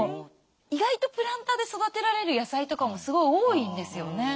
意外とプランターで育てられる野菜とかもすごい多いんですよね。